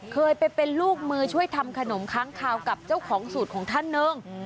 เคยไปเป็นลูกมือช่วยทำขนมค้างคาวกับเจ้าของสูตรของท่านหนึ่ง